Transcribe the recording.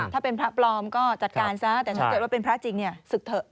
ถ้าเป็นพระปลอมก็จัดการซะแต่ถ้าเกิดว่าเป็นพระจริงเนี่ยศึกเถอะ